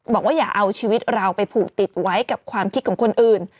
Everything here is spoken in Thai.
อย่าเอาชีวิตเราไปผูกติดไว้กับความคิดของคนอื่น